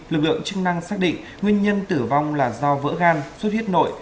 lực lượng chức năng xác định nguyên nhân tử vong là do vỡ gan suốt huyết nội